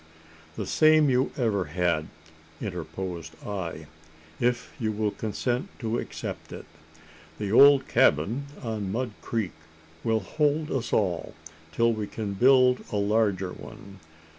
"The same you ever had," interposed I, "if you will consent to accept it. The old cabin on Mud Creek will hold us all till we can build a larger one.